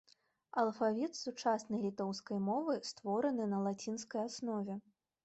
Алфавіт сучаснай літоўскай мовы створаны на лацінскай аснове.